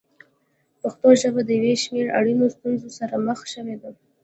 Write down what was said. پښتو ژبه د یو شمېر اړینو ستونزو سره مخ شوې ده.